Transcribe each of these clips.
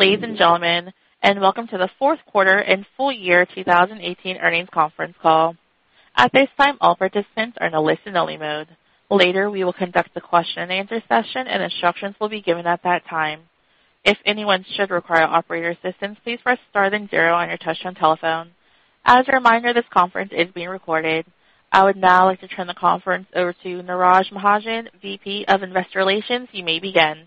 Ladies and gentlemen, welcome to the fourth quarter and full year 2018 earnings conference call. At this time, all participants are in a listen only mode. Later, we will conduct a question and answer session, instructions will be given at that time. If anyone should require operator assistance, please press star then zero on your touch-tone telephone. As a reminder, this conference is being recorded. I would now like to turn the conference over to Neeraj Mahajan, VP of Investor Relations. You may begin.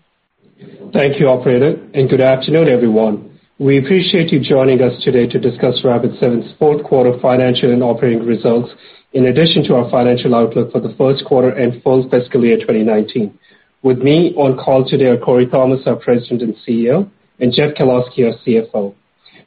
Thank you, operator, good afternoon, everyone. We appreciate you joining us today to discuss Rapid7's fourth quarter financial and operating results, in addition to our financial outlook for the first quarter and full fiscal year 2019. With me on call today are Corey Thomas, our President and Chief Executive Officer, Jeff Kalb, our Chief Financial Officer.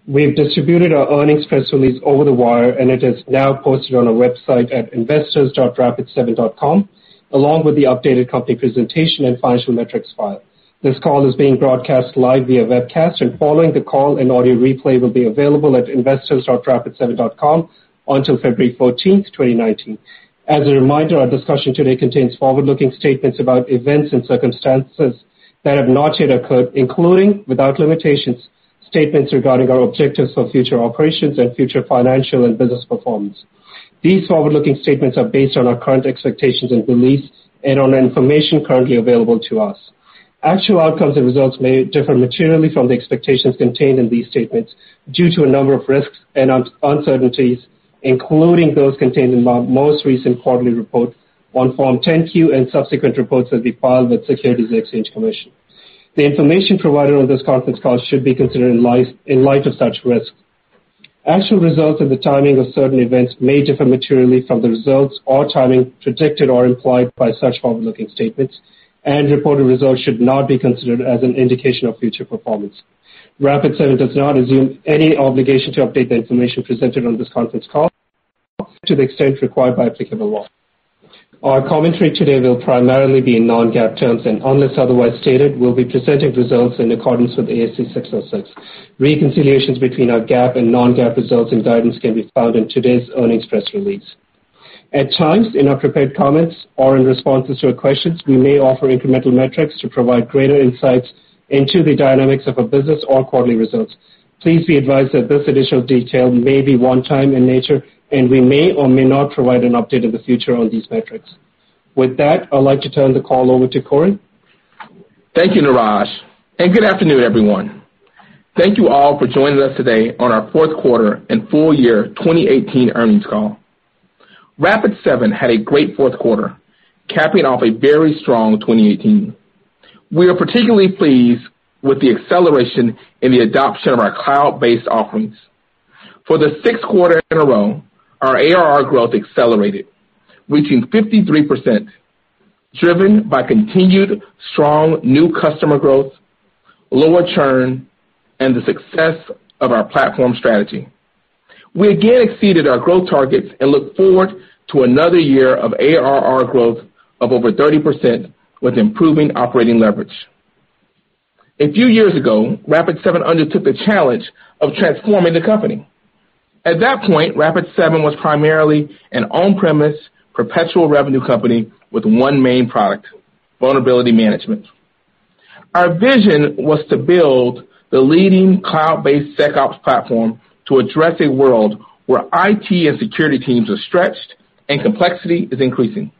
We've distributed our earnings press release over the wire, it is now posted on our website at investors.rapid7.com, along with the updated company presentation and financial metrics file. This call is being broadcast live via webcast, following the call an audio replay will be available at investors.rapid7.com until February 14, 2019. As a reminder, our discussion today contains forward-looking statements about events and circumstances that have not yet occurred, including, without limitations, statements regarding our objectives for future operations and future financial and business performance. These forward-looking statements are based on our current expectations and beliefs on information currently available to us. Actual outcomes and results may differ materially from the expectations contained in these statements due to a number of risks and uncertainties, including those contained in our most recent quarterly report on Form 10-Q and subsequent reports as we file with Securities and Exchange Commission. The information provided on this conference call should be considered in light of such risks. Actual results and the timing of certain events may differ materially from the results or timing predicted or implied by such forward-looking statements, reported results should not be considered as an indication of future performance. Rapid7 does not assume any obligation to update the information presented on this conference call to the extent required by applicable law. Our commentary today will primarily be in non-GAAP terms, unless otherwise stated, we'll be presenting results in accordance with ASC 606. Reconciliations between our GAAP and non-GAAP results and guidance can be found in today's earnings press release. At times, in our prepared comments or in responses to our questions, we may offer incremental metrics to provide greater insights into the dynamics of our business or quarterly results. Please be advised that this additional detail may be one time in nature, we may or may not provide an update in the future on these metrics. With that, I'd like to turn the call over to Corey. Thank you, Neeraj, good afternoon, everyone. Thank you all for joining us today on our fourth quarter and full year 2018 earnings call. Rapid7 had a great fourth quarter, capping off a very strong 2018. We are particularly pleased with the acceleration in the adoption of our cloud-based offerings. For the sixth quarter in a row, our ARR growth accelerated, reaching 53%, driven by continued strong new customer growth, lower churn, and the success of our platform strategy. We again exceeded our growth targets and look forward to another year of ARR growth of over 30% with improving operating leverage. A few years ago, Rapid7 undertook the challenge of transforming the company. At that point, Rapid7 was primarily an on-premise perpetual revenue company with one main product, vulnerability management. Our vision was to build the leading cloud-based SecOps platform to address a world where IT and security teams are stretched and complexity is increasing.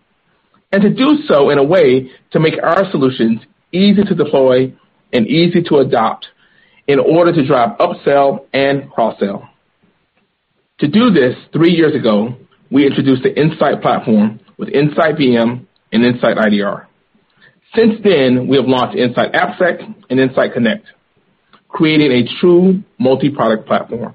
To do so in a way to make our solutions easy to deploy and easy to adopt in order to drive upsell and cross-sell. To do this, three years ago, we introduced the Insight platform with InsightVM and InsightIDR. Since then, we have launched InsightAppSec and InsightConnect, creating a true multi-product platform.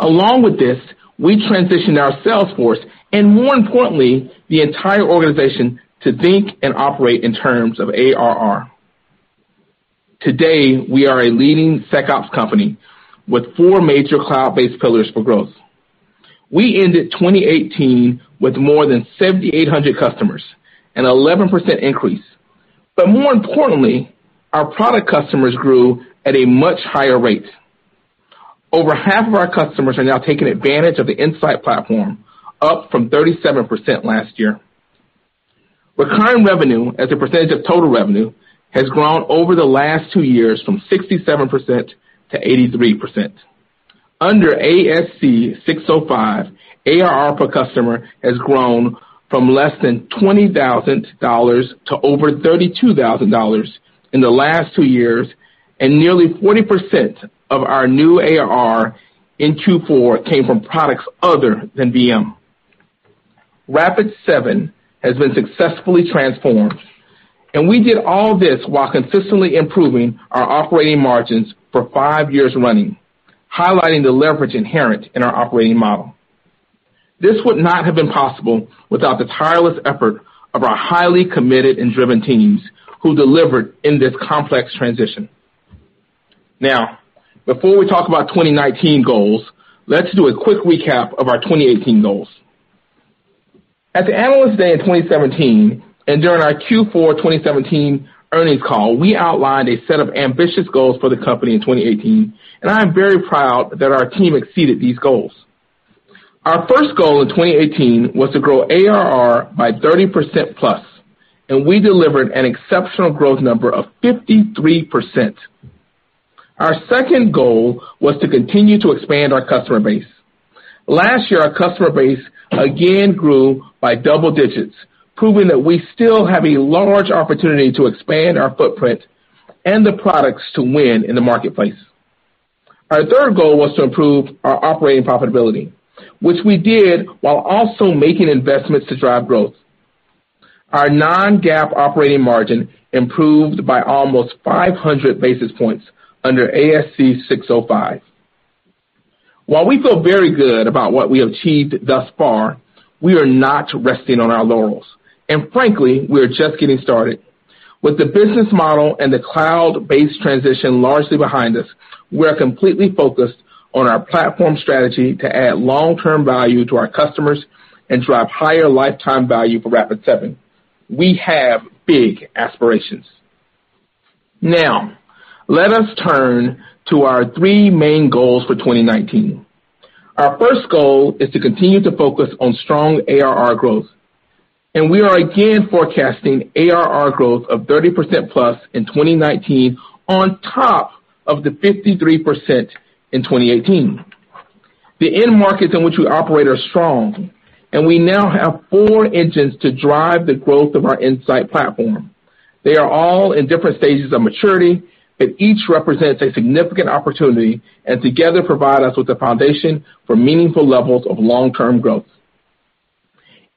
Along with this, we transitioned our sales force, more importantly, the entire organization to think and operate in terms of ARR. Today, we are a leading SecOps company with four major cloud-based pillars for growth. We ended 2018 with more than 7,800 customers, an 11% increase. More importantly, our product customers grew at a much higher rate. Over half of our customers are now taking advantage of the Insight platform, up from 37% last year. Recurring revenue as a percentage of total revenue has grown over the last two years from 67% to 83%. Under ASC 605, ARR per customer has grown from less than $20,000 to over $32,000 in the last two years, nearly 40% of our new ARR in Q4 came from products other than VM. Rapid7 has been successfully transformed, we did all this while consistently improving our operating margins for five years running, highlighting the leverage inherent in our operating model. This would not have been possible without the tireless effort of our highly committed and driven teams who delivered in this complex transition. Now, before we talk about 2019 goals, let's do a quick recap of our 2018 goals. At the Analyst Day in 2017 and during our Q4 2017 earnings call, we outlined a set of ambitious goals for the company in 2018. I am very proud that our team exceeded these goals. Our first goal in 2018 was to grow ARR by 30%+, we delivered an exceptional growth number of 53%. Our second goal was to continue to expand our customer base. Last year, our customer base again grew by double digits, proving that we still have a large opportunity to expand our footprint and the products to win in the marketplace. Our third goal was to improve our operating profitability, which we did while also making investments to drive growth. Our non-GAAP operating margin improved by almost 500 basis points under ASC 605. While we feel very good about what we have achieved thus far, we are not resting on our laurels, and frankly, we are just getting started. With the business model and the cloud-based transition largely behind us, we are completely focused on our platform strategy to add long-term value to our customers and drive higher lifetime value for Rapid7. We have big aspirations. Now, let us turn to our three main goals for 2019. Our first goal is to continue to focus on strong ARR growth, and we are again forecasting ARR growth of 30%+ in 2019 on top of the 53% in 2018. The end markets in which we operate are strong, and we now have four engines to drive the growth of our Insight platform. They are all in different stages of maturity each represents a significant opportunity and together provide us with a foundation for meaningful levels of long-term growth.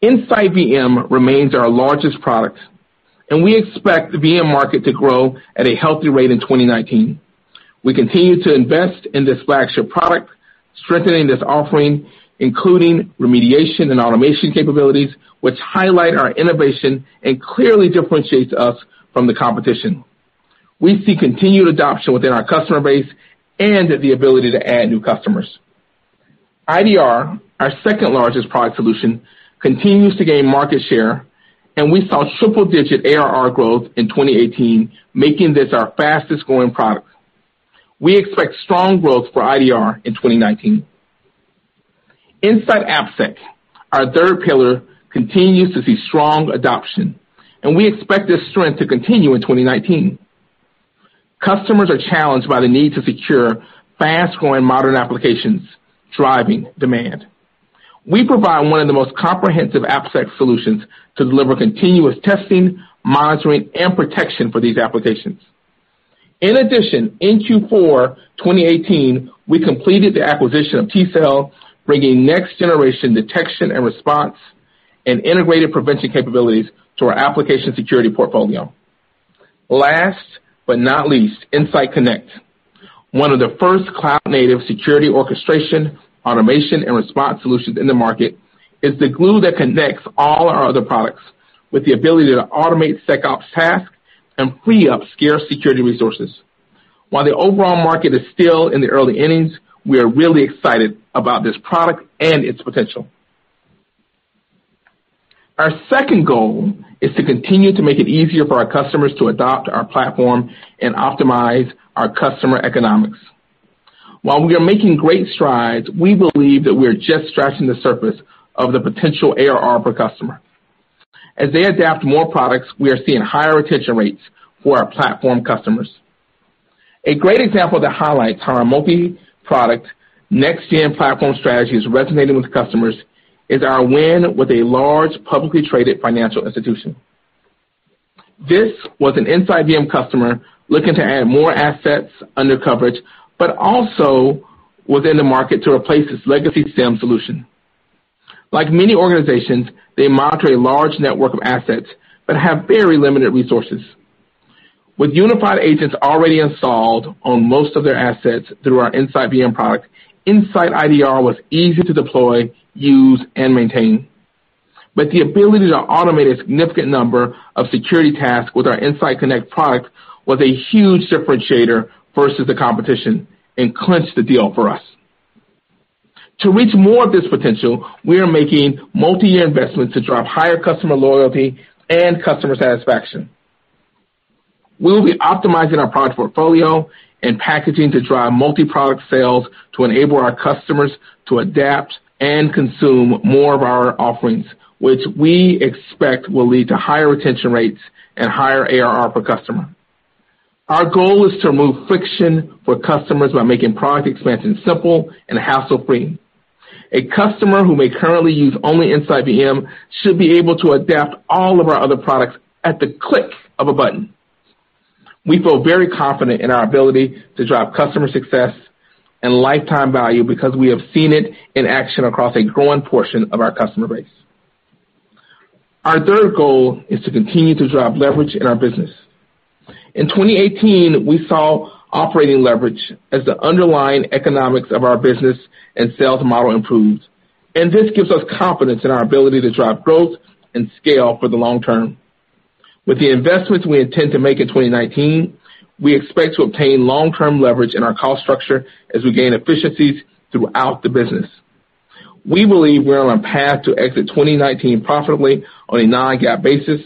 InsightVM remains our largest product, and we expect the VM market to grow at a healthy rate in 2019. We continue to invest in this flagship product, strengthening this offering, including remediation and automation capabilities, which highlight our innovation and clearly differentiates us from the competition. We see continued adoption within our customer base and the ability to add new customers. IDR, our second-largest product solution, continues to gain market share, and we saw triple-digit ARR growth in 2018, making this our fastest-growing product. We expect strong growth for IDR in 2019. InsightAppSec, our third pillar, continues to see strong adoption. We expect this strength to continue in 2019. Customers are challenged by the need to secure fast-growing modern applications, driving demand. We provide one of the most comprehensive AppSec solutions to deliver continuous testing, monitoring, and protection for these applications. In addition, in Q4 2018, we completed the acquisition of tCell, bringing next-generation detection and response and integrated prevention capabilities to our application security portfolio. Last but not least, InsightConnect, one of the first cloud-native security orchestration, automation, and response solutions in the market, is the glue that connects all our other products with the ability to automate SecOps tasks and free up scarce security resources. While the overall market is still in the early innings, we are really excited about this product and its potential. Our second goal is to continue to make it easier for our customers to adopt our platform and optimize our customer economics. While we are making great strides, we believe that we are just scratching the surface of the potential ARR per customer. As they adapt more products, we are seeing higher retention rates for our platform customers. A great example that highlights how our multi-product next gen platform strategy is resonating with customers is our win with a large, publicly traded financial institution. This was an InsightVM customer looking to add more assets under coverage, but also was in the market to replace its legacy SIEM solution. Like many organizations, they monitor a large network of assets but have very limited resources. With unified agents already installed on most of their assets through our InsightVM product, InsightIDR was easy to deploy, use, and maintain. The ability to automate a significant number of security tasks with our InsightConnect product was a huge differentiator versus the competition and clinched the deal for us. To reach more of this potential, we are making multi-year investments to drive higher customer loyalty and customer satisfaction. We will be optimizing our product portfolio and packaging to drive multi-product sales to enable our customers to adapt and consume more of our offerings, which we expect will lead to higher retention rates and higher ARR per customer. Our goal is to remove friction for customers by making product expansion simple and hassle-free. A customer who may currently use only InsightVM should be able to adapt all of our other products at the click of a button. We feel very confident in our ability to drive customer success and lifetime value because we have seen it in action across a growing portion of our customer base. Our third goal is to continue to drive leverage in our business. In 2018, we saw operating leverage as the underlying economics of our business and sales model improved. This gives us confidence in our ability to drive growth and scale for the long term. With the investments we intend to make in 2019, we expect to obtain long-term leverage in our cost structure as we gain efficiencies throughout the business. We believe we are on path to exit 2019 profitably on a non-GAAP basis,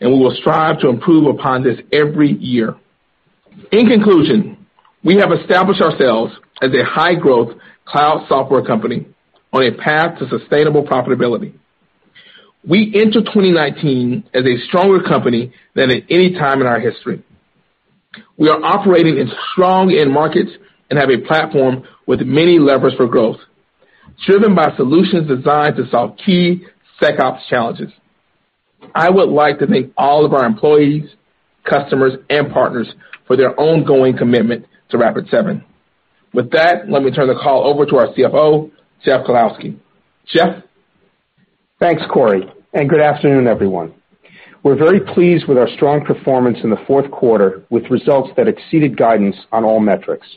we will strive to improve upon this every year. In conclusion, we have established ourselves as a high-growth cloud software company on a path to sustainable profitability. We enter 2019 as a stronger company than at any time in our history. We are operating in strong end markets and have a platform with many levers for growth, driven by solutions designed to solve key SecOps challenges. I would like to thank all of our employees, customers, and partners for their ongoing commitment to Rapid7. With that, let me turn the call over to our CFO, Jeff Kalb. Jeff? Thanks, Corey. Good afternoon, everyone. We're very pleased with our strong performance in the fourth quarter, with results that exceeded guidance on all metrics.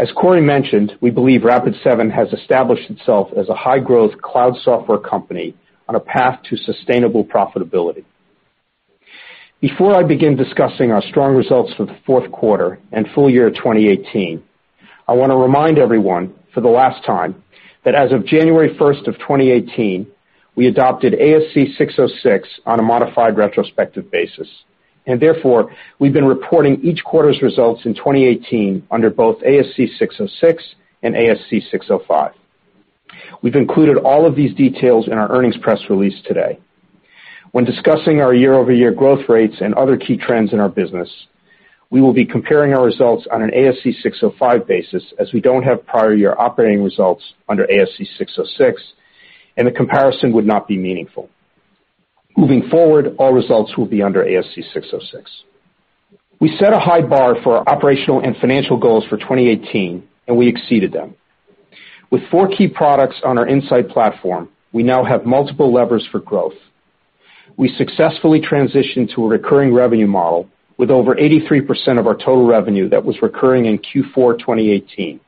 As Corey mentioned, we believe Rapid7 has established itself as a high-growth cloud software company on a path to sustainable profitability. Before I begin discussing our strong results for the fourth quarter and full year 2018, I want to remind everyone for the last time that as of January 1st of 2018, we adopted ASC 606 on a modified retrospective basis. Therefore, we've been reporting each quarter's results in 2018 under both ASC 606 and ASC 605. We've included all of these details in our earnings press release today. When discussing our year-over-year growth rates and other key trends in our business, we will be comparing our results on an ASC 605 basis, as we don't have prior year operating results under ASC 606, the comparison would not be meaningful. Moving forward, all results will be under ASC 606. We set a high bar for our operational and financial goals for 2018, we exceeded them. With four key products on our Insight platform, we now have multiple levers for growth. We successfully transitioned to a recurring revenue model with over 83% of our total revenue that was recurring in Q4 2018,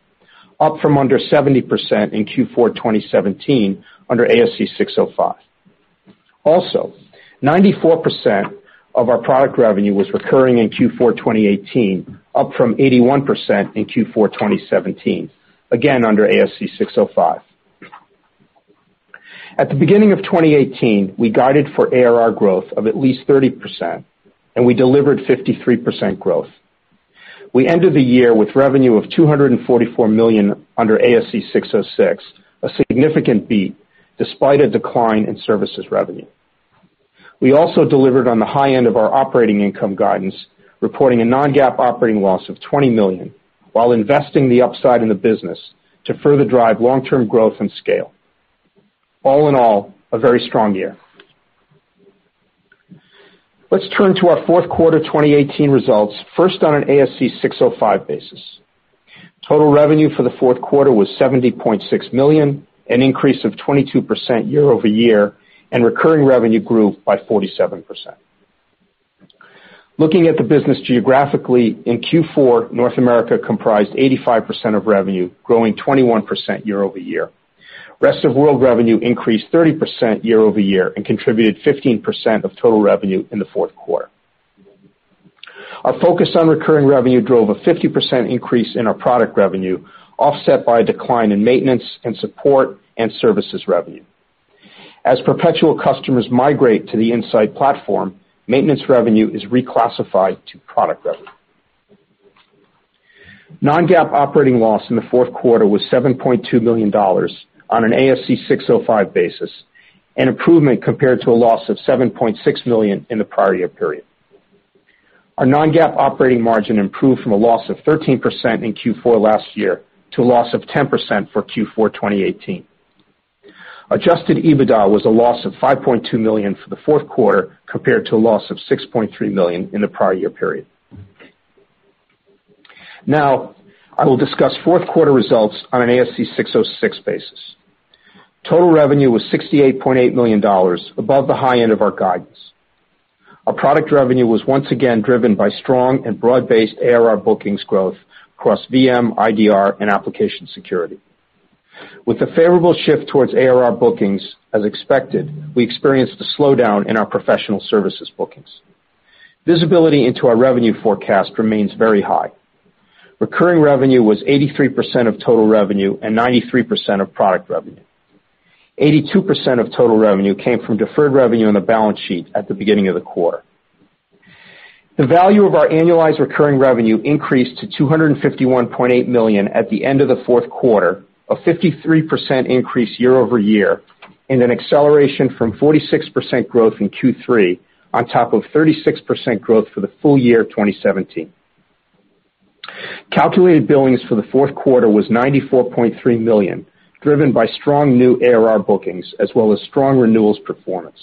up from under 70% in Q4 2017 under ASC 605. 94% of our product revenue was recurring in Q4 2018, up from 81% in Q4 2017, again under ASC 605. At the beginning of 2018, we guided for ARR growth of at least 30%, we delivered 53% growth. We ended the year with revenue of $244 million under ASC 606, a significant beat despite a decline in services revenue. We also delivered on the high end of our operating income guidance, reporting a non-GAAP operating loss of $20 million while investing the upside in the business to further drive long-term growth and scale. All in all, a very strong year. Let's turn to our fourth quarter 2018 results, first on an ASC 605 basis. Total revenue for the fourth quarter was $70.6 million, an increase of 22% year-over-year, recurring revenue grew by 47%. Looking at the business geographically, in Q4, North America comprised 85% of revenue, growing 21% year-over-year. Rest of World revenue increased 30% year-over-year contributed 15% of total revenue in the fourth quarter. Our focus on recurring revenue drove a 50% increase in our product revenue, offset by a decline in maintenance and support and services revenue. As perpetual customers migrate to the Insight platform, maintenance revenue is reclassified to product revenue. Non-GAAP operating loss in the fourth quarter was $7.2 million on an ASC 605 basis, an improvement compared to a loss of $7.6 million in the prior year period. Our non-GAAP operating margin improved from a loss of 13% in Q4 last year to a loss of 10% for Q4 2018. Adjusted EBITDA was a loss of $5.2 million for the fourth quarter, compared to a loss of $6.3 million in the prior year period. I will discuss fourth quarter results on an ASC 606 basis. Total revenue was $68.8 million, above the high end of our guidance. Our product revenue was once again driven by strong broad-based ARR bookings growth across VM, IDR, and Application Security. With the favorable shift towards ARR bookings as expected, we experienced a slowdown in our professional services bookings. Visibility into our revenue forecast remains very high. Recurring revenue was 83% of total revenue 93% of product revenue. 82% of total revenue came from deferred revenue on the balance sheet at the beginning of the quarter. The value of our annualized recurring revenue increased to $251.8 million at the end of the fourth quarter, a 53% increase year-over-year, an acceleration from 46% growth in Q3 on top of 36% growth for the full year 2017. Calculated billings for the fourth quarter was $94.3 million, driven by strong new ARR bookings as well as strong renewals performance.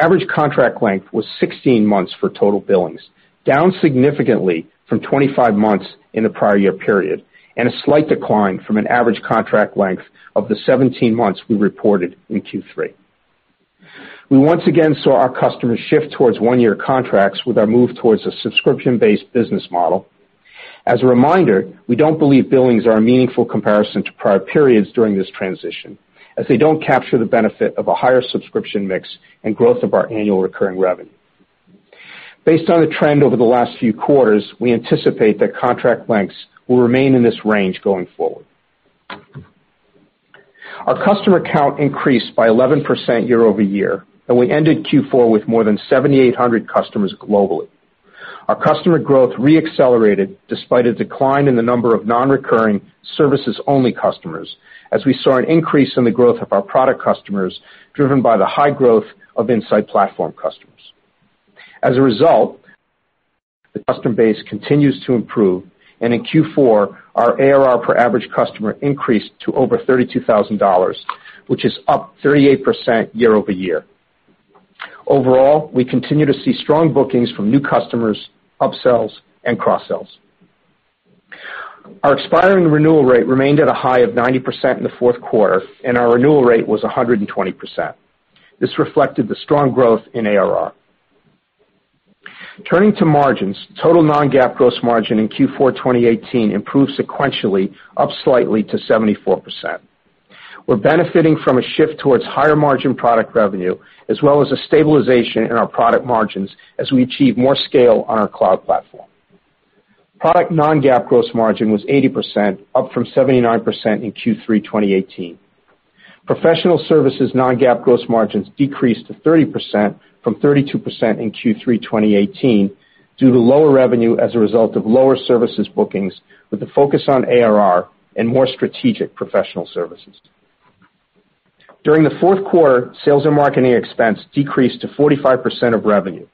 Average contract length was 16 months for total billings, down significantly from 25 months in the prior year period, and a slight decline from an average contract length of the 17 months we reported in Q3. We once again saw our customers shift towards one-year contracts with our move towards a subscription-based business model. As a reminder, we don't believe billings are a meaningful comparison to prior periods during this transition, as they don't capture the benefit of a higher subscription mix and growth of our annual recurring revenue. Based on the trend over the last few quarters, we anticipate that contract lengths will remain in this range going forward. Our customer count increased by 11% year-over-year, and we ended Q4 with more than 7,800 customers globally. Our customer growth re-accelerated despite a decline in the number of non-recurring services-only customers, as we saw an increase in the growth of our product customers, driven by the high growth of Insight platform customers. As a result, the customer base continues to improve, and in Q4, our ARR per average customer increased to over $32,000, which is up 38% year-over-year. We continue to see strong bookings from new customers, upsells, and cross-sells. Our expiring renewal rate remained at a high of 90% in the fourth quarter, and our renewal rate was 120%. This reflected the strong growth in ARR. Turning to margins, total non-GAAP gross margin in Q4 2018 improved sequentially, up slightly to 74%. We're benefiting from a shift towards higher-margin product revenue, as well as a stabilization in our product margins as we achieve more scale on our cloud platform. Product non-GAAP gross margin was 80%, up from 79% in Q3 2018. Professional services non-GAAP gross margins decreased to 30% from 32% in Q3 2018 due to lower revenue as a result of lower services bookings, with a focus on ARR and more strategic professional services. During the fourth quarter, sales and marketing expense decreased to 45% of revenue.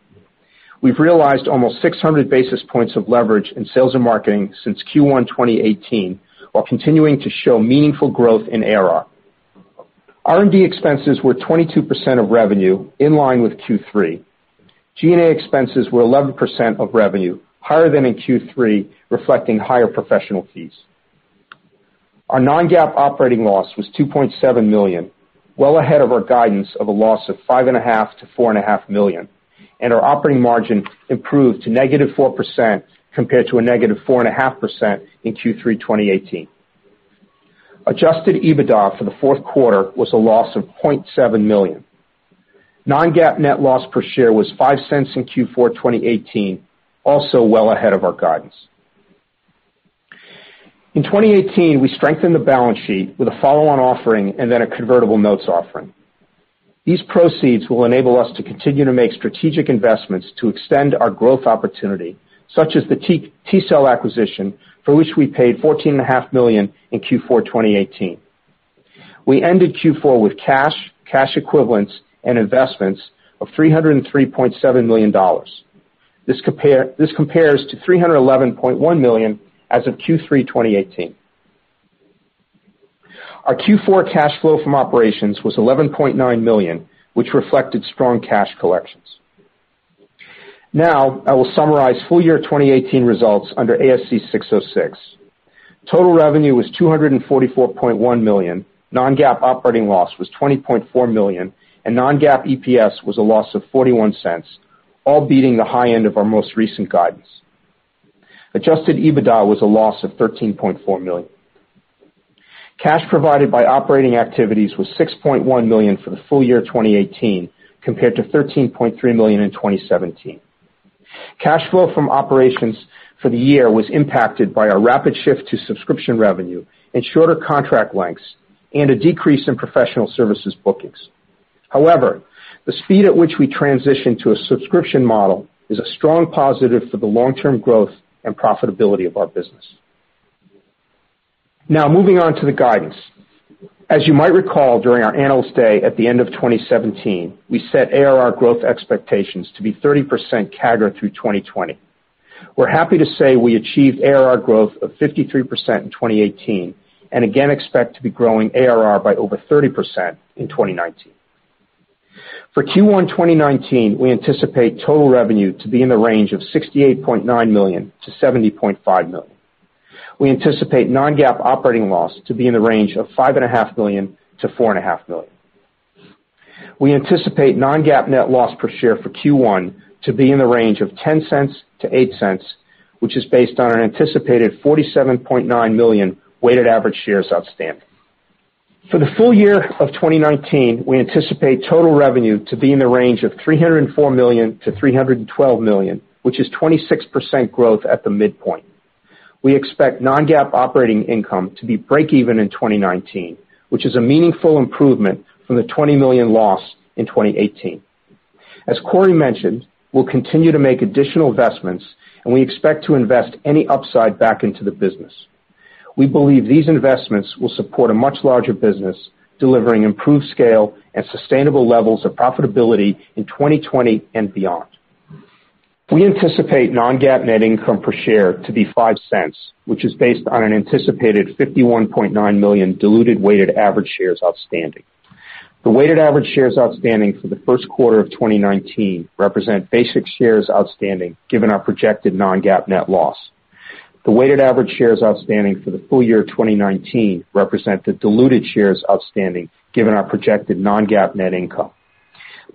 We've realized almost 600 basis points of leverage in sales and marketing since Q1 2018 while continuing to show meaningful growth in ARR. R&D expenses were 22% of revenue, in line with Q3. G&A expenses were 11% of revenue, higher than in Q3, reflecting higher professional fees. Our non-GAAP operating loss was $2.7 million, well ahead of our guidance of a loss of $5.5 million-$4.5 million, and our operating margin improved to negative 4% compared to a -4.5% in Q3 2018. Adjusted EBITDA for the fourth quarter was a loss of $0.7 million. Non-GAAP net loss per share was $0.05 in Q4 2018, also well ahead of our guidance. In 2018, we strengthened the balance sheet with a follow-on offering and then a convertible notes offering. These proceeds will enable us to continue to make strategic investments to extend our growth opportunity, such as the tCell acquisition, for which we paid $14.5 million in Q4 2018. We ended Q4 with cash equivalents, and investments of $303.7 million. This compares to $311.1 million as of Q3 2018. Our Q4 cash flow from operations was $11.9 million, which reflected strong cash collections. I will summarize full-year 2018 results under ASC 606. Total revenue was $244.1 million, non-GAAP operating loss was $20.4 million, and non-GAAP EPS was a loss of $0.41, all beating the high end of our most recent guidance. Adjusted EBITDA was a loss of $13.4 million. Cash provided by operating activities was $6.1 million for the full year 2018, compared to $13.3 million in 2017. Cash flow from operations for the year was impacted by our rapid shift to subscription revenue and shorter contract lengths and a decrease in professional services bookings. The speed at which we transition to a subscription model is a strong positive for the long-term growth and profitability of our business. Moving on to the guidance. As you might recall, during our Analyst Day at the end of 2017, we set ARR growth expectations to be 30% CAGR through 2020. We're happy to say we achieved ARR growth of 53% in 2018, and again expect to be growing ARR by over 30% in 2019. For Q1 2019, we anticipate total revenue to be in the range of $68.9 million-$70.5 million. We anticipate non-GAAP operating loss to be in the range of $5.5 million-$4.5 million. We anticipate non-GAAP net loss per share for Q1 to be in the range of $0.10-$0.08, which is based on an anticipated 47.9 million weighted average shares outstanding. For the full year of 2019, we anticipate total revenue to be in the range of $304 million-$312 million, which is 26% growth at the midpoint. We expect non-GAAP operating income to be break even in 2019, which is a meaningful improvement from the $20 million loss in 2018. As Corey mentioned, we'll continue to make additional investments, and we expect to invest any upside back into the business. We believe these investments will support a much larger business, delivering improved scale and sustainable levels of profitability in 2020 and beyond. We anticipate non-GAAP net income per share to be $0.05, which is based on an anticipated 51.9 million diluted weighted average shares outstanding. The weighted average shares outstanding for the first quarter of 2019 represent basic shares outstanding given our projected non-GAAP net loss. The weighted average shares outstanding for the full year 2019 represent the diluted shares outstanding given our projected non-GAAP net income.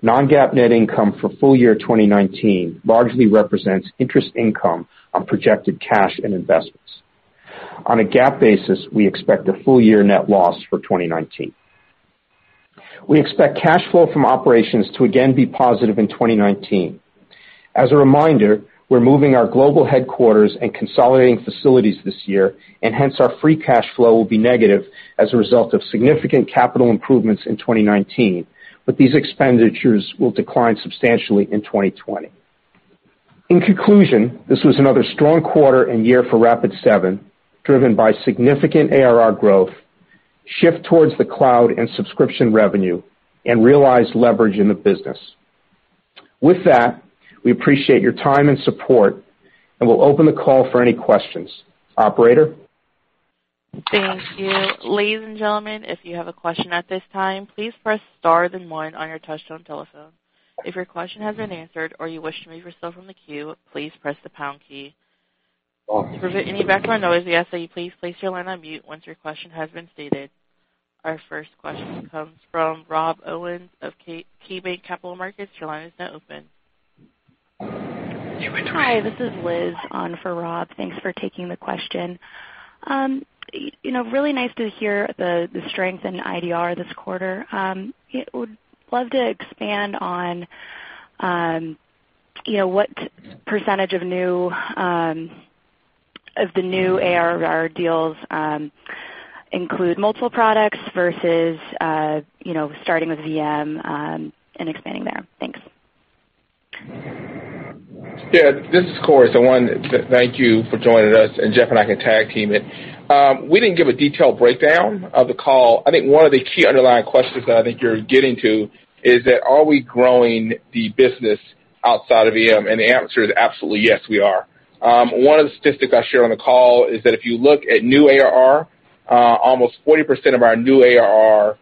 Non-GAAP net income for full year 2019 largely represents interest income on projected cash and investments. On a GAAP basis, we expect a full-year net loss for 2019. We expect cash flow from operations to again be positive in 2019. As a reminder, we're moving our global headquarters and consolidating facilities this year, our free cash flow will be negative as a result of significant capital improvements in 2019. These expenditures will decline substantially in 2020. In conclusion, this was another strong quarter and year for Rapid7, driven by significant ARR growth, shift towards the cloud and subscription revenue, and realized leverage in the business. With that, we appreciate your time and support, and we'll open the call for any questions. Operator? Thank you. Ladies and gentlemen, if you have a question at this time, please press star then one on your touchtone telephone. If your question has been answered or you wish to remove yourself from the queue, please press the pound key. To prevent any background noise, we ask that you please place your line on mute once your question has been stated. Our first question comes from Rob Owens of KeyBanc Capital Markets. Your line is now open. Hi, this is Liz on for Rob. Thanks for taking the question. Really nice to hear the strength in IDR this quarter. Would love to expand on what percentage of the new ARR deals include multiple products versus starting with VM and expanding there. Thanks. Yeah. This is Corey. I want to thank you for joining us, and Jeff and I can tag team it. We didn't give a detailed breakdown of the call. I think one of the key underlying questions that I think you're getting to is that, are we growing the business outside of VM? The answer is absolutely yes, we are. One of the statistics I shared on the call is that if you look at new ARR, almost 40% of our new ARR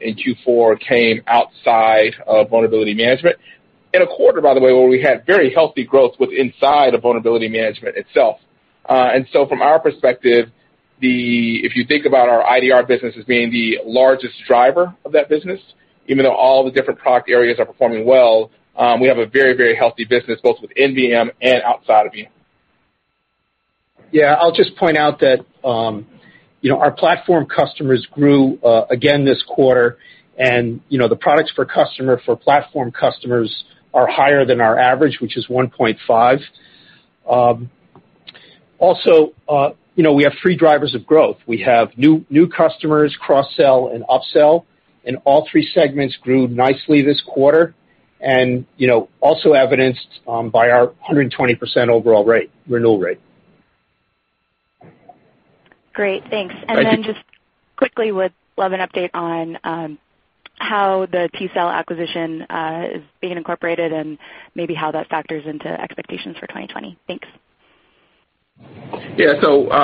in Q4 came outside of vulnerability management. In a quarter, by the way, where we had very healthy growth with inside of vulnerability management itself. From our perspective, if you think about our IDR business as being the largest driver of that business, even though all the different product areas are performing well, we have a very healthy business both within VM and outside of VM. I'll just point out that our platform customers grew again this quarter, and the products for customer for platform customers are higher than our average, which is 1.5. We have three drivers of growth we have new customers, cross-sell, and up-sell, and all three segments grew nicely this quarter, evidenced by our 120% overall renewal rate. Great. Thanks. Thank you. Just quickly, would love an update on how the tCell acquisition is being incorporated and maybe how that factors into expectations for 2020. Thanks. Yeah.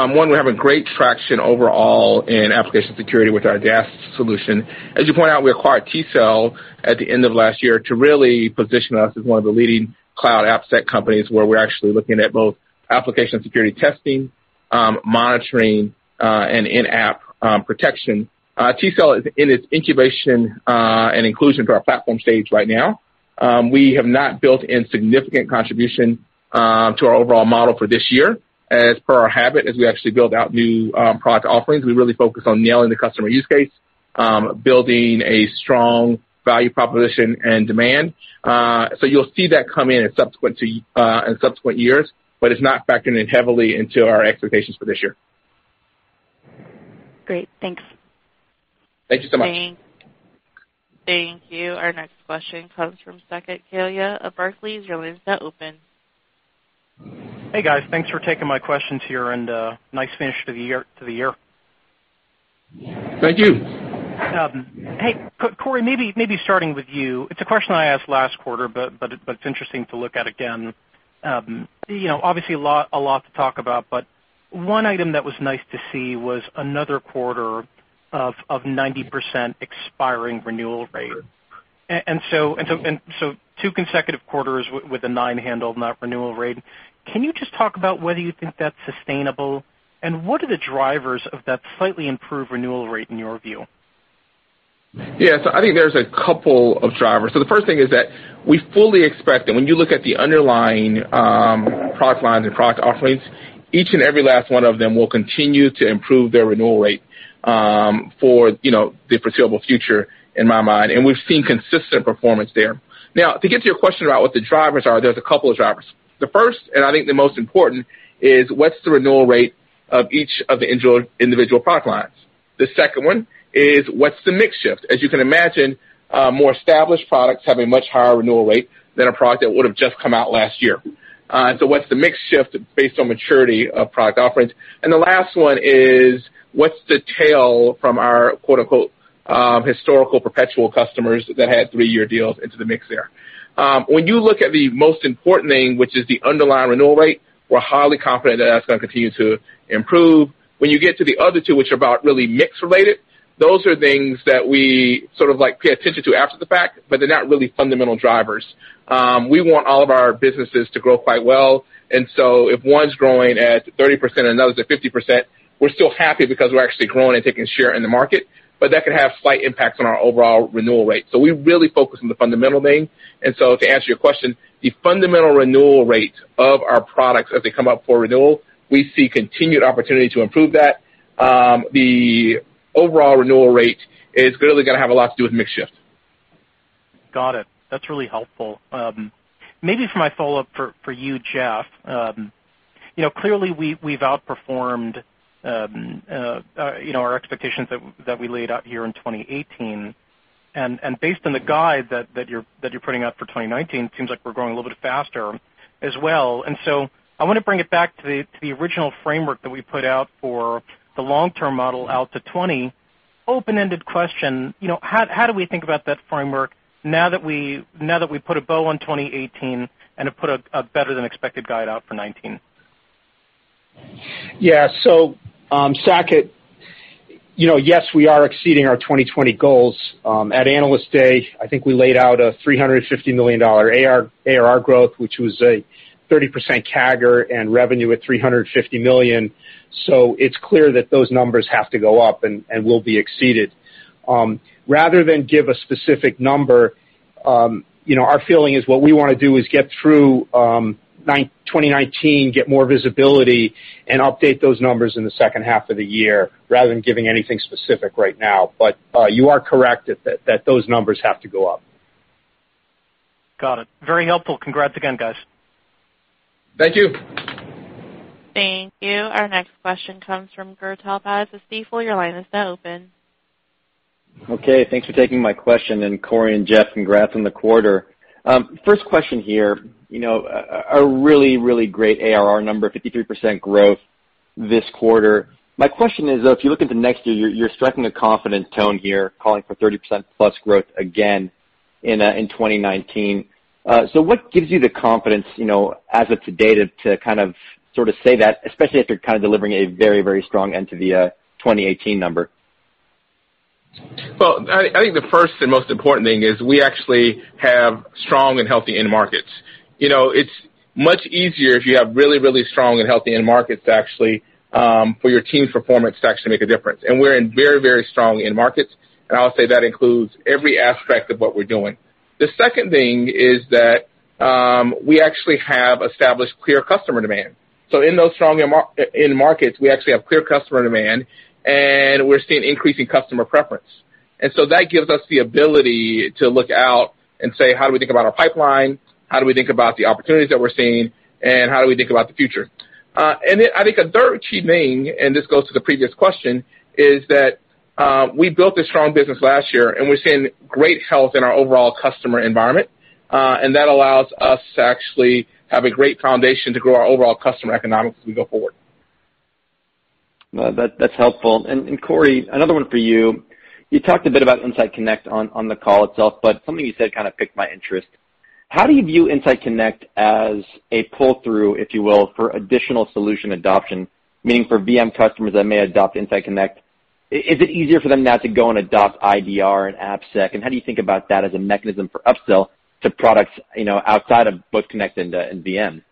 One, we're having great traction overall in application security with our DAST solution. As you point out, we acquired tCell at the end of last year to really position us as one of the leading cloud AppSec companies, where we're actually looking at both application security testing, monitoring, and in-app protection. tCell is in its incubation and inclusion to our platform stage right now. We have not built in significant contribution to our overall model for this year. As per our habit, as we actually build out new product offerings, we really focus on nailing the customer use case, building a strong value proposition and demand. You'll see that come in subsequent years, but it's not factoring in heavily into our expectations for this year. Great. Thanks. Thank you so much. Thank you. Our next question comes from Saket Kalia of Barclays. Your line is now open. Hey, guys. Thanks for taking my questions here. Nice finish to the year. Thank you. Hey, Corey, maybe starting with you. It's a question I asked last quarter. It's interesting to look at again. Obviously, a lot to talk about. One item that was nice to see was another quarter of 90% expiring renewal rate. Two consecutive quarters with a nine handle in that renewal rate. Can you just talk about whether you think that's sustainable, what are the drivers of that slightly improved renewal rate in your view? Yeah. I think there's a couple of drivers. The first thing is that we fully expect that when you look at the underlying product lines and product offerings, each and every last one of them will continue to improve their renewal rate for the foreseeable future, in my mind. We've seen consistent performance there. Now, to get to your question about what the drivers are, there's a couple of drivers. The first, I think the most important, is what's the renewal rate of each of the individual product lines? The second one is what's the mix shift? As you can imagine, more established products have a much higher renewal rate than a product that would have just come out last year. What's the mix shift based on maturity of product offerings? The last one is, what's the tail from our "historical perpetual customers" that had three-year deals into the mix there, when you look at the most important thing, which is the underlying renewal rate, we're highly confident that that's going to continue to improve. When you get to the other two, which are about really mix related, those are things that we sort of pay attention to after the fact, but they're not really fundamental drivers. We want all of our businesses to grow quite well. If one's growing at 30% and another's at 50%, we're still happy because we're actually growing and taking share in the market, but that could have slight impacts on our overall renewal rate. We really focus on the fundamental thing. To answer your question, the fundamental renewal rate of our products as they come up for renewal, we see continued opportunity to improve that. The overall renewal rate is really going to have a lot to do with mix shift. Got it. That's really helpful. Maybe for my follow-up for you, Jeff, clearly we've outperformed our expectations that we laid out here in 2018, and based on the guide that you're putting out for 2019, it seems like we're growing a little bit faster as well. I want to bring it back to the original framework that we put out for the long-term model out to 2020. Open-ended question, how do we think about that framework now that we put a bow on 2018 and have put a better than expected guide out for 2019? Saket, yes, we are exceeding our 2020 goals. At Analyst Day, I think we laid out a $350 million ARR growth, which was a 30% CAGR and revenue at $350 million. It's clear that those numbers have to go up and will be exceeded. Rather than give a specific number, our feeling is what we want to do is get through 2019, get more visibility, and update those numbers in the second half of the year rather than giving anything specific right now. You are correct that those numbers have to go up. Got it. Very helpful. Congrats again, guys. Thank you. Thank you. Our next question comes from Gur Talpaz of Stifel. Your line is now open. Okay. Thanks for taking my question, and Corey and Jeff, congrats on the quarter. First question here. A really, really great ARR number, 53% growth this quarter. My question is, though, if you look into next year, you're striking a confident tone here calling for 30% plus growth again in 2019. What gives you the confidence, as of to date, to sort of say that, especially after kind of delivering a very, very strong end to the 2018 number? Well, I think the first and most important thing is we actually have strong and healthy end markets. It's much easier if you have really strong and healthy end markets actually, for your team's performance to actually make a difference. We're in very, very strong end markets, and I'll say that includes every aspect of what we're doing. The second thing is that we actually have established clear customer demand. In those strong end markets, we actually have clear customer demand, and we're seeing increasing customer preference. That gives us the ability to look out and say, "How do we think about our pipeline? How do we think about the opportunities that we're seeing? How do we think about the future?" I think a third key thing, and this goes to the previous question, is that we built a strong business last year, and we're seeing great health in our overall customer environment. That allows us to actually have a great foundation to grow our overall customer economics as we go forward. Well, that's helpful. Corey, another one for you. You talked a bit about InsightConnect on the call itself, but something you said kind of piqued my interest. How do you view InsightConnect as a pull-through, if you will, for additional solution adoption, meaning for VM customers that may adopt InsightConnect, is it easier for them now to go and adopt InsightIDR and AppSec? How do you think about that as a mechanism for upsell to products outside of both Connect and VM?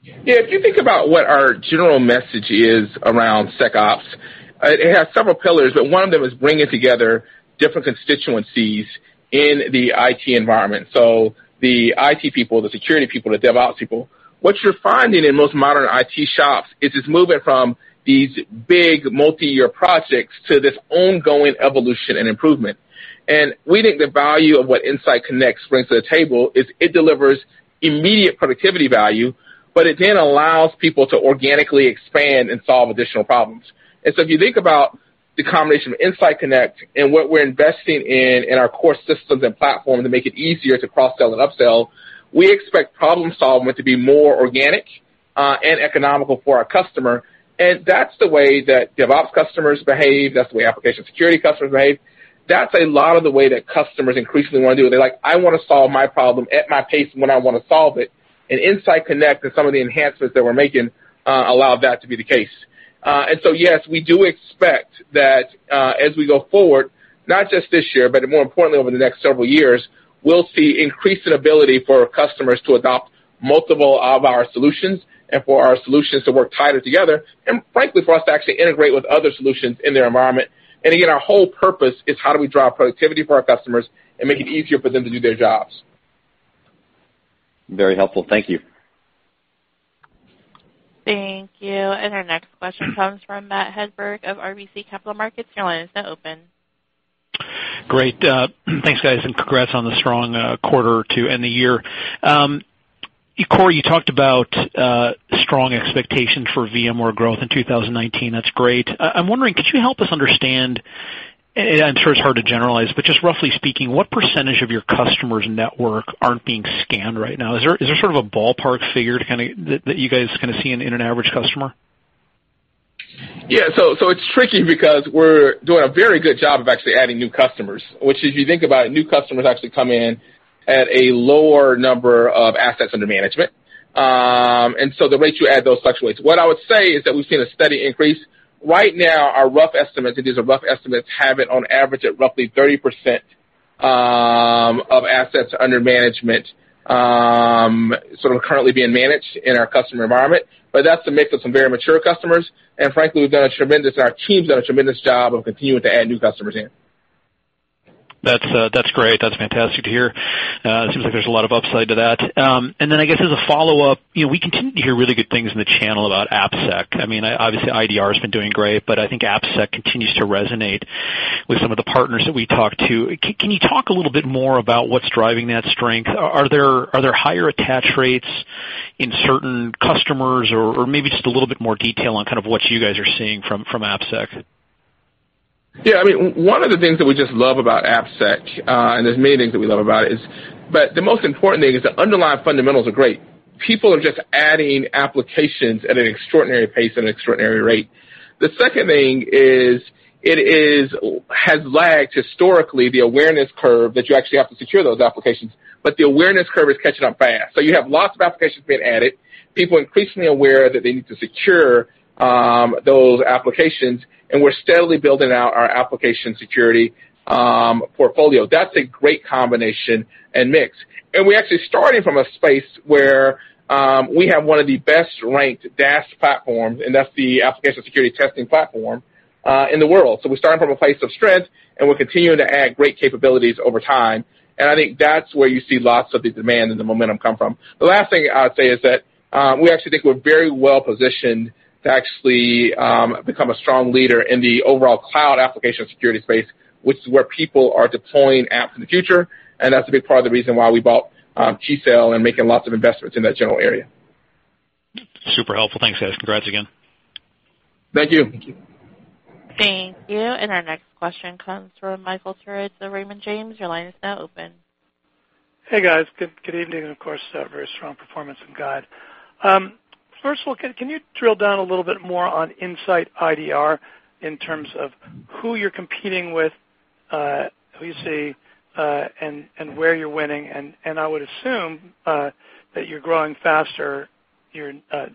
Yeah. If you think about what our general message is around SecOps, it has several pillars, but one of them is bringing together different constituencies in the IT environment. The IT people, the security people, the DevOps people. What you're finding in most modern IT shops is it's moving from these big multi-year projects to this ongoing evolution and improvement. We think the value of what InsightConnect brings to the table is it delivers immediate productivity value, but it then allows people to organically expand and solve additional problems. If you think about the combination of InsightConnect and what we're investing in in our core systems and platform to make it easier to cross-sell and upsell, we expect problem-solving to be more organic and economical for our customer, and that's the way that DevOps customers behave. That's the way application security customers behave. That's a lot of the way that customers increasingly want to do it. They're like, "I want to solve my problem at my pace when I want to solve it." InsightConnect and some of the enhancements that we're making allow that to be the case. Yes, we do expect that as we go forward, not just this year, but more importantly over the next several years, we'll see increasing ability for our customers to adopt multiple of our solutions and for our solutions to work tighter together, and frankly, for us to actually integrate with other solutions in their environment. Again, our whole purpose is how do we drive productivity for our customers and make it easier for them to do their jobs. Very helpful. Thank you. Thank you. Our next question comes from Matt Hedberg of RBC Capital Markets. Your line is now open. Great. Thanks, guys, and congrats on the strong quarter to end the year. Corey, you talked about strong expectations for VM growth in 2019. That's great. I'm wondering, could you help us understand, and I'm sure it's hard to generalize, but just roughly speaking, what percentage of your customers' network aren't being scanned right now? Is there sort of a ballpark figure that you guys kind of see in an average customer? Yeah. It's tricky because we're doing a very good job of actually adding new customers. Which if you think about it, new customers actually come in at a lower number of assets under management. The rates you add those fluctuates. What I would say is that we've seen a steady increase. Right now, our rough estimates, and these are rough estimates, have it on average at roughly 30% of assets under management sort of currently being managed in our customer environment. That's a mix of some very mature customers, and frankly, our team's done a tremendous job of continuing to add new customers in. That's great. That's fantastic to hear. It seems like there's a lot of upside to that. Then I guess as a follow-up, we continue to hear really good things in the channel about AppSec. Obviously IDR has been doing great, I think AppSec continues to resonate with some of the partners that we talk to. Can you talk a little bit more about what's driving that strength? Are there higher attach rates in certain customers or maybe just a little bit more detail on kind of what you guys are seeing from AppSec? Yeah. One of the things that we just love about AppSec, and there's many things that we love about it, the most important thing is the underlying fundamentals are great. People are just adding applications at an extraordinary pace and an extraordinary rate. The second thing is it has lagged historically, the awareness curve, that you actually have to secure those applications, the awareness curve is catching up fast. You have lots of applications being added, people increasingly aware that they need to secure those applications, we're steadily building out our application security portfolio. That's a great combination and mix. We actually started from a space where we have one of the best-ranked DAST platforms, and that's the application security testing platform, in the world. We're starting from a place of strength, and we're continuing to add great capabilities over time. I think that's where you see lots of the demand and the momentum come from. The last thing I would say is that we actually think we're very well-positioned to actually become a strong leader in the overall cloud application security space, which is where people are deploying apps in the future, and that's a big part of the reason why we bought tCell and making lots of investments in that general area. Super helpful. Thanks, guys. Congrats again. Thank you. Thank you. Our next question comes from Michael Turits of Raymond James. Your line is now open. Hey, guys. Good evening, of course, a very strong performance in Guide. First of all, can you drill down a little bit more on InsightIDR in terms of who you're competing with, who you see, and where you're winning? I would assume that you're growing faster, your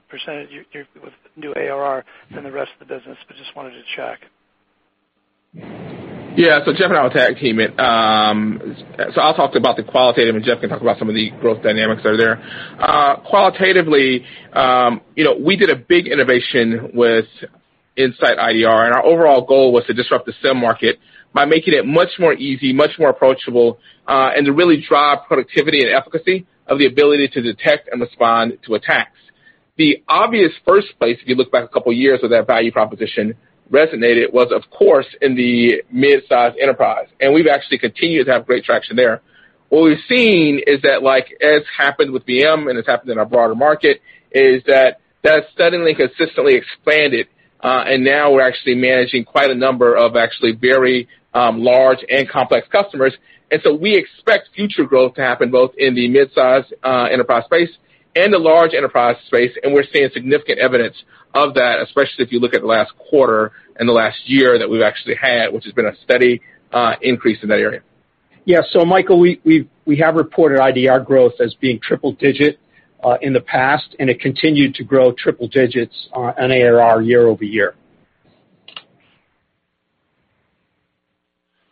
percentage with new ARR than the rest of the business, but just wanted to check. Yeah. Jeff and I will tag team it. I'll talk about the qualitative, and Jeff can talk about some of the growth dynamics that are there. Qualitatively, we did a big innovation with InsightIDR, and our overall goal was to disrupt the SIEM market by making it much more easy, much more approachable, and to really drive productivity and efficacy of the ability to detect and respond to attacks. The obvious first place, if you look back a couple of years where that value proposition resonated, was, of course, in the mid-size enterprise. We've actually continued to have great traction there. What we've seen is that like it's happened with VM, and it's happened in our broader market, is that that suddenly consistently expanded, and now we're actually managing quite a number of actually very large and complex customers. We expect future growth to happen both in the midsize enterprise space and the large enterprise space, and we're seeing significant evidence of that, especially if you look at the last quarter and the last year that we've actually had, which has been a steady increase in that area. Yeah. Michael, we have reported IDR growth as being triple-digit in the past, and it continued to grow triple-digits on ARR year-over-year.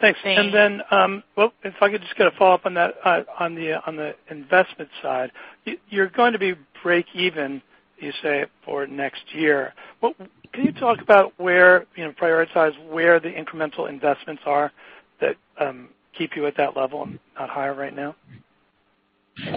Thanks. Well, if I could just get a follow-up on the investment side. You're going to be break-even, you say, for next year. Can you talk about where, prioritize where the incremental investments are that keep you at that level and not higher right now?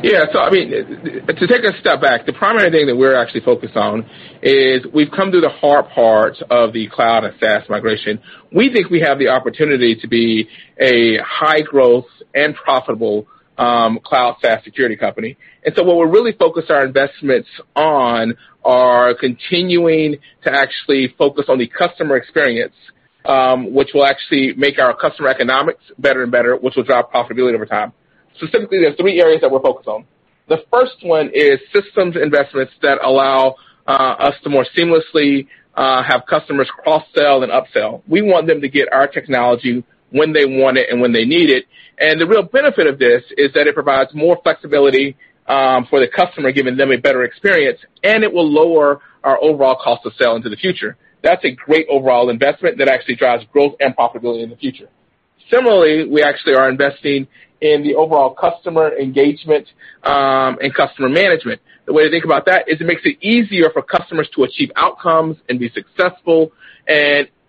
Yeah. To take a step back, the primary thing that we're actually focused on is we've come through the hard part of the cloud and SaaS migration. We think we have the opportunity to be a high-growth and profitable cloud SaaS security company. What we're really focused our investments on are continuing to actually focus on the customer experience, which will actually make our customer economics better and better, which will drive profitability over time. Specifically, there are three areas that we're focused on. The first one is systems investments that allow us to more seamlessly have customers cross-sell than upsell. We want them to get our technology when they want it and when they need it. The real benefit of this is that it provides more flexibility for the customer, giving them a better experience, and it will lower our overall cost of sale into the future. That's a great overall investment that actually drives growth and profitability in the future. Similarly, we actually are investing in the overall customer engagement and customer management. The way to think about that is it makes it easier for customers to achieve outcomes and be successful.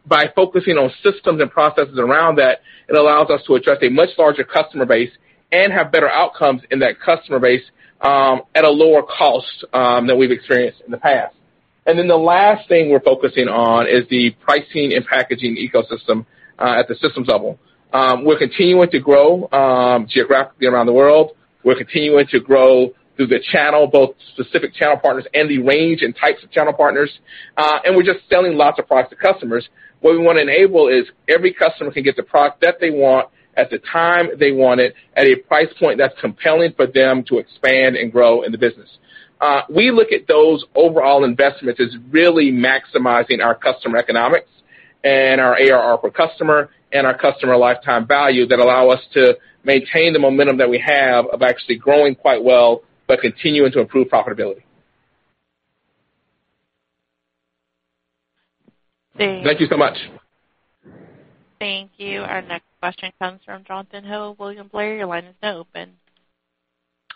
By focusing on systems and processes around that, it allows us to address a much larger customer base and have better outcomes in that customer base at a lower cost than we've experienced in the past. The last thing we're focusing on is the pricing and packaging ecosystem at the systems level. We're continuing to grow geographically around the world. We're continuing to grow through the channel, both specific channel partners and the range and types of channel partners. We're just selling lots of products to customers. What we want to enable is every customer can get the product that they want at the time they want it at a price point that's compelling for them to expand and grow in the business. We look at those overall investments as really maximizing our customer economics and our ARR per customer and our customer lifetime value that allow us to maintain the momentum that we have of actually growing quite well but continuing to improve profitability. Thanks. Thank you so much. Thank you. Our next question comes from Jonathan Ho, William Blair. Your line is now open.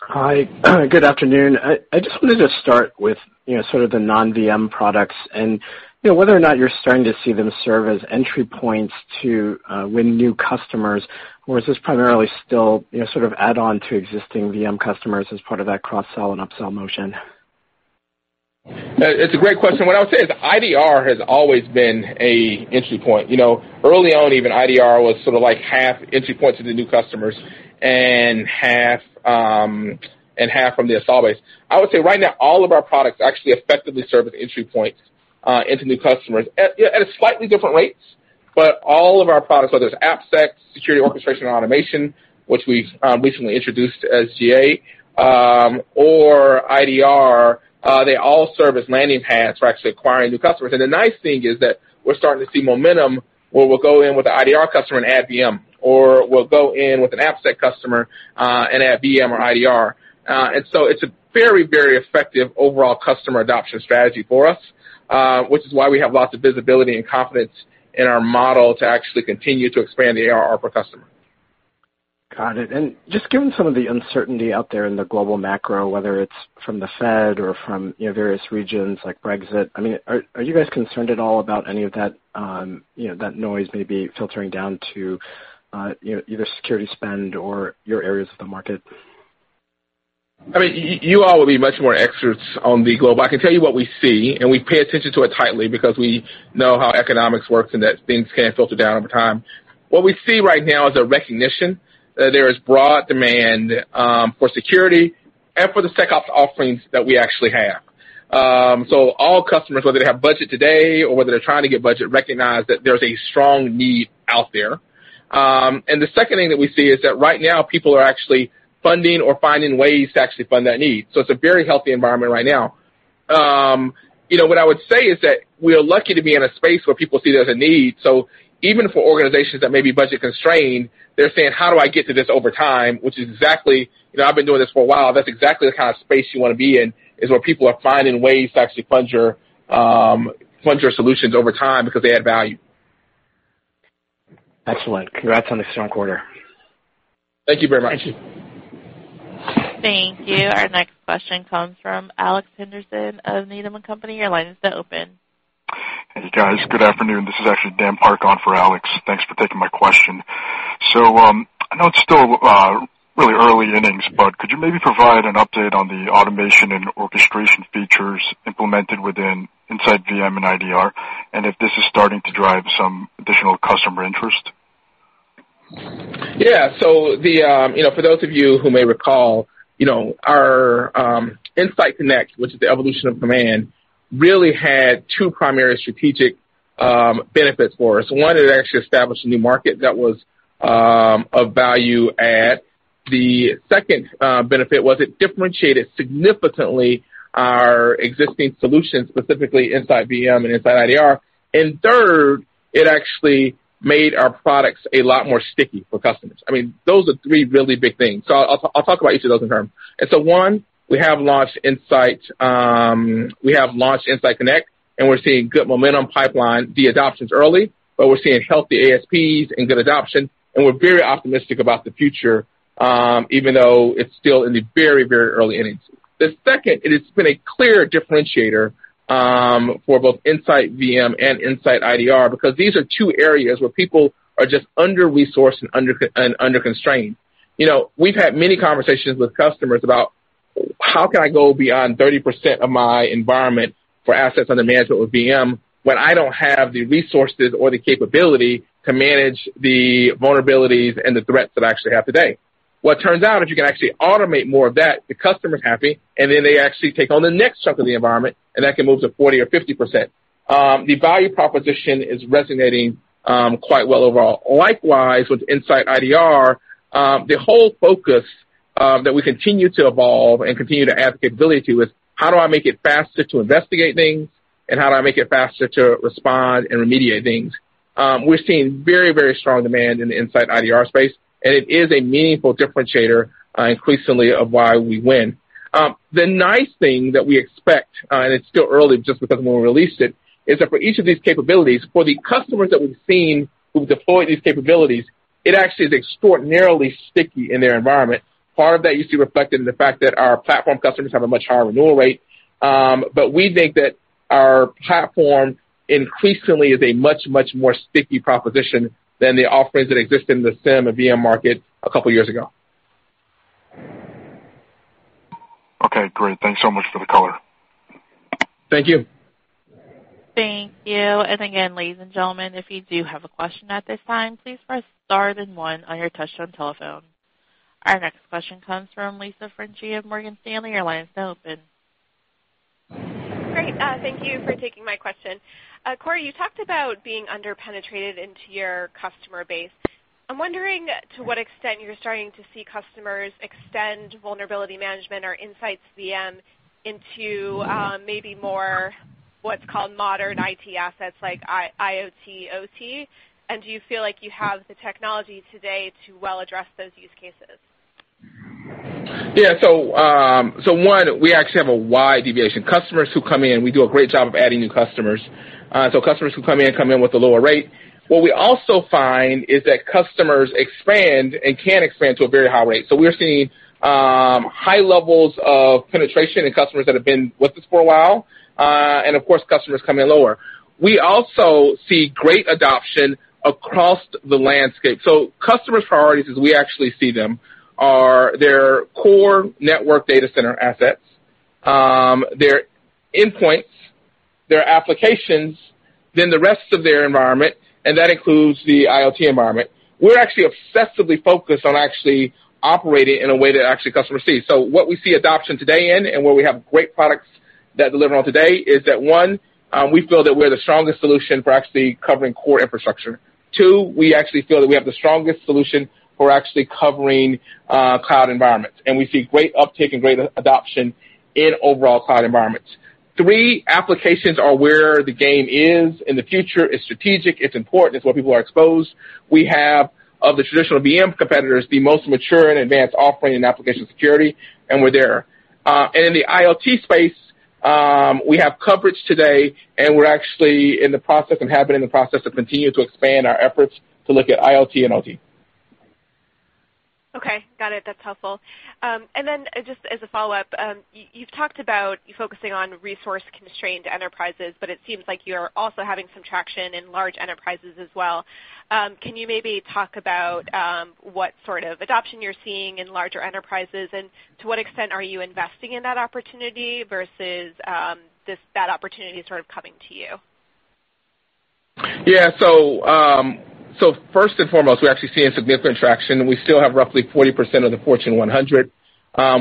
Hi. Good afternoon. I just wanted to start with sort of the non-VM products and whether or not you're starting to see them serve as entry points to win new customers, or is this primarily still sort of add-on to existing VM customers as part of that cross-sell and upsell motion? It's a great question. What I would say is IDR has always been a entry point. Early on, even IDR was sort of half entry point to the new customers and half from the install base. I would say right now, all of our products actually effectively serve as entry points into new customers at slightly different rates. All of our products, whether it's AppSec, Security Orchestration and Automation, which we've recently introduced as GA or IDR, they all serve as landing pads for actually acquiring new customers. The nice thing is that we're starting to see momentum where we'll go in with an IDR customer and add VM, or we'll go in with an AppSec customer and add VM or IDR. It's a very effective overall customer adoption strategy for us, which is why we have lots of visibility and confidence in our model to actually continue to expand the ARR per customer. Got it. Just given some of the uncertainty out there in the global macro, whether it's from the Fed or from various regions like Brexit, are you guys concerned at all about any of that noise maybe filtering down to either security spend or your areas of the market? You all will be much more experts on the global. I can tell you what we see, and we pay attention to it tightly because we know how economics works and that things can filter down over time. What we see right now is a recognition that there is broad demand for security and for the SecOps offerings that we actually have. All customers, whether they have budget today or whether they're trying to get budget, recognize that there's a strong need out there. The second thing that we see is that right now people are actually funding or finding ways to actually fund that need. It's a very healthy environment right now. What I would say is that we are lucky to be in a space where people see there's a need. Even for organizations that may be budget-constrained, they're saying, "How do I get to this over time?" I've been doing this for a while. That's exactly the kind of space you want to be in, is where people are finding ways to actually fund your solutions over time because they add value. Excellent. Congrats on a strong quarter. Thank you very much. Thank you. Thank you. Our next question comes from Alex Henderson of Needham and Company. Your line is now open. Hey, guys. Good afternoon. This is actually Dan Arias for Alex. Thanks for taking my question. I know it's still really early innings, but could you maybe provide an update on the automation and orchestration features implemented within InsightVM and IDR, and if this is starting to drive some additional customer interest? Yeah. For those of you who may recall, our InsightConnect, which is the evolution of Komand, really had two primary strategic benefits for us. One is it actually established a new market that was of value add. The second benefit was it differentiated significantly our existing solutions, specifically InsightVM and InsightIDR. Third, it actually made our products a lot more sticky for customers. Those are three really big things. I'll talk about each of those in turn. One, we have launched InsightConnect, and we're seeing good momentum pipeline. The adoption's early, but we're seeing healthy ASPs and good adoption, and we're very optimistic about the future, even though it's still in the very early innings. The second, it has been a clear differentiator for both InsightVM and InsightIDR because these are two areas where people are just under-resourced and under constraint. We've had many conversations with customers about how can I go beyond 30% of my environment for assets under management with VM when I don't have the resources or the capability to manage the vulnerabilities and the threats that I actually have today? Well, it turns out if you can actually automate more of that, the customer's happy, and then they actually take on the next chunk of the environment, and that can move to 40% or 50%. The value proposition is resonating quite well overall. Likewise, with InsightIDR, the whole focus that we continue to evolve and continue to add capability with how do I make it faster to investigate things, and how do I make it faster to respond and remediate things? We're seeing very strong demand in the InsightIDR space, and it is a meaningful differentiator increasingly of why we win. The nice thing that we expect, and it's still early just because when we released it, is that for each of these capabilities, for the customers that we've seen who deploy these capabilities, it actually is extraordinarily sticky in their environment. Part of that you see reflected in the fact that our platform customers have a much higher renewal rate. We think that our platform increasingly is a much more sticky proposition than the offerings that exist in the SIEM and VM market a couple of years ago. Okay, great. Thanks so much for the color. Thank you. Thank you. Again, ladies and gentlemen, if you do have a question at this time, please press star then 1 on your touch-tone telephone. Our next question comes from Melissa Franchi of Morgan Stanley. Your line is now open. Great. Thank you for taking my question. Corey, you talked about being under-penetrated into your customer base. I'm wondering to what extent you're starting to see customers extend Vulnerability Management or InsightVM into maybe more what's called modern IT assets like IoT, OT, do you feel like you have the technology today to well address those use cases? Yeah. One, we actually have a wide deviation. Customers who come in, we do a great job of adding new customers. Customers who come in, come in with a lower rate. What we also find is that customers expand and can expand to a very high rate. We're seeing high levels of penetration in customers that have been with us for a while, and of course, customers come in lower. We also see great adoption across the landscape. Customer priorities, as we actually see them, are their core network data center assets, their endpoints, their applications, then the rest of their environment, and that includes the IoT environment. We're actually obsessively focused on actually operating in a way that actually customers see. What we see adoption today in and where we have great products that deliver on today is that, one we feel that we're the strongest solution for actually covering core infrastructure. Two we actually feel that we have the strongest solution for actually covering cloud environments, and we see great uptake and great adoption in overall cloud environments. Three applications are where the game is in the future. It's strategic, it's important, it's where people are exposed. We have, of the traditional VM competitors, the most mature and advanced offering in application security, and we're there. In the IoT space, we have coverage today, and we're actually in the process and have been in the process of continuing to expand our efforts to look at IoT and OT. Okay, got it. That's helpful. Just as a follow-up, you've talked about focusing on resource-constrained enterprises, but it seems like you're also having some traction in large enterprises as well. Can you maybe talk about what sort of adoption you're seeing in larger enterprises, and to what extent are you investing in that opportunity versus that opportunity sort of coming to you? Yeah. First and foremost, we're actually seeing significant traction. We still have roughly 40% of the Fortune 100.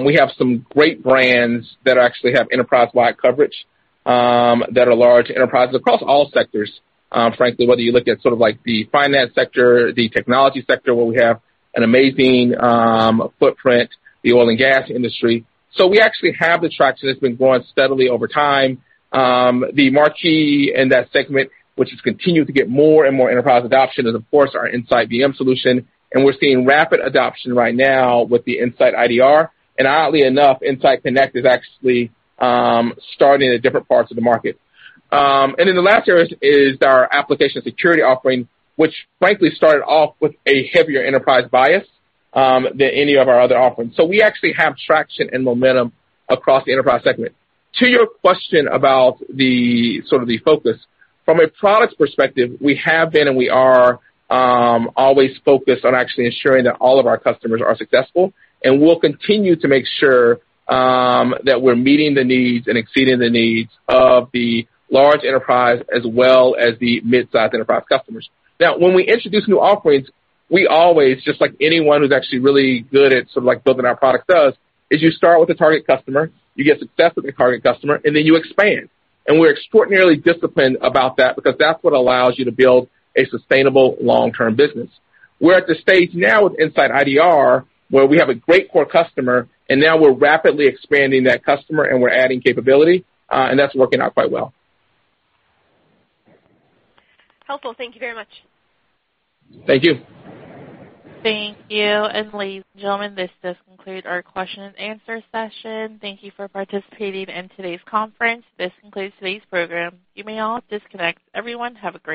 We have some great brands that actually have enterprise-wide coverage, that are large enterprises across all sectors, frankly, whether you look at sort of like the finance sector, the technology sector, where we have an amazing footprint, the oil and gas industry. We actually have the traction that's been growing steadily over time. The marquee in that segment, which has continued to get more and more enterprise adoption, is of course our InsightVM solution, and we're seeing rapid adoption right now with the InsightIDR. Oddly enough, InsightConnect is actually starting in different parts of the market. The last area is our application security offering, which frankly started off with a heavier enterprise bias than any of our other offerings. We actually have traction and momentum across the enterprise segment. To your question about the sort of the focus, from a product perspective, we have been and we are always focused on actually ensuring that all of our customers are successful, and we'll continue to make sure that we're meeting the needs and exceeding the needs of the large enterprise as well as the midsize enterprise customers. Now, when we introduce new offerings, we always, just like anyone who's actually really good at sort of like building our product does, is you start with a target customer, you get success with a target customer, and then you expand. We're extraordinarily disciplined about that because that's what allows you to build a sustainable long-term business. We're at the stage now with InsightIDR, where we have a great core customer, and now we're rapidly expanding that customer and we're adding capability, and that's working out quite well. Helpful. Thank you very much. Thank you. Thank you. Ladies and gentlemen, this does conclude our question and answer session. Thank you for participating in today's conference. This concludes today's program. You may all disconnect. Everyone, have a great day